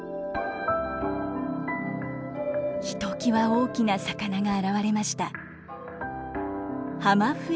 ひときわ大きな魚が現れました。